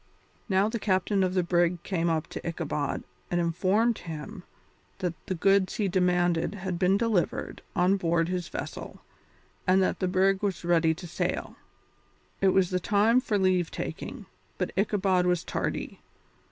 Now the captain of the brig came up to Ichabod and informed him that the goods he demanded had been delivered on board his vessel, and that the brig was ready to sail. It was the time for leave taking, but Ichabod was tardy.